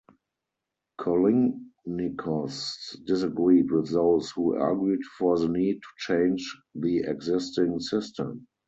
Callinicos disagreed with those who argued for the need to change the existing system.